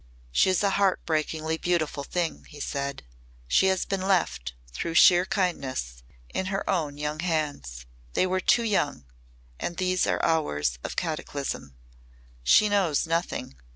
"She is a heartbreakingly beautiful thing," he said. "She has been left through sheer kindness in her own young hands. They were too young and these are hours of cataclysm. She knows nothing.